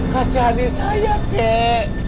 kasihan saya kek